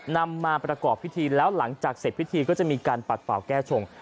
นำมาประกอบพิธีแล้วหลังจากเสร็จพิธีก็จะมีการปัดเป่าแก้ชง